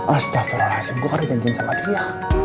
astagfirullahaladzim gue harus janjin sama dia